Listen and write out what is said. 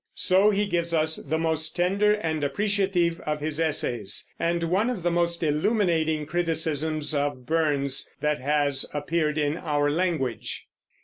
So he gives us the most tender and appreciative of his essays, and one of the most illuminating criticisms of Burns that has appeared in our language.